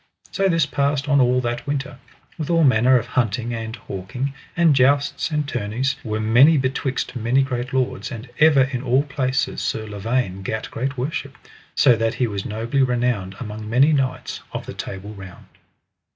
So this passed on all that winter, with all manner of hunting and hawking, and jousts and tourneys were many betwixt many great lords, and ever in all places Sir Lavaine gat great worship, so that he was nobly renowned among many knights of the Table Round.